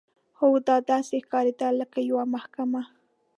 خو دا داسې ښکارېدل لکه یوه محکمه.